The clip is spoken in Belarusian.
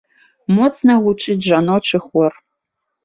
Моцна гучыць жаночы хор.